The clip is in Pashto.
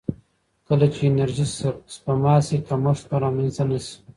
کله چې انرژي سپما شي، کمښت به رامنځته نه شي.